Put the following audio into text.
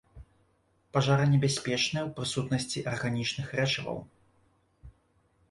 Пажаранебяспечны ў прысутнасці арганічных рэчываў.